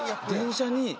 電車に。